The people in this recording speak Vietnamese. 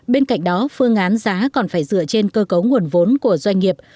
bên cạnh đó phương án giá còn phải dựa trên cơ cấu nguồn vốn của doanh nghiệp